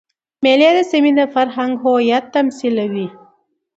مېلې د سیمي د فرهنګ هویت تمثیلوي.